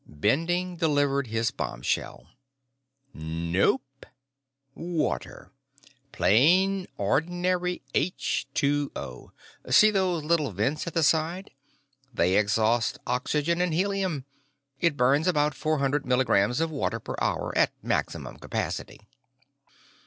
Bending delivered his bombshell. "Nope. Water. Plain, ordinary aitch two oh. See those little vents at the side? They exhaust oxygen and helium. It burns about four hundred milligrams of water per hour at maximum capacity."